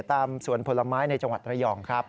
ตามสวนผลไม้ในจังหวัดระยองครับ